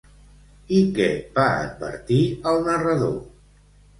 I què va advertir el narrador?